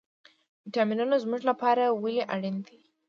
ویټامینونه زموږ لپاره ولې اړین دي